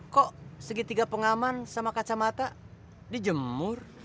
kok segitiga pengaman sama kacamata di jemur